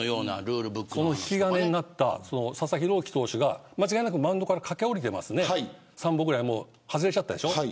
その引き金になった佐々木朗希投手が間違いなくマウンドから駆け降りてますね３歩ぐらい外れちゃったでしょ。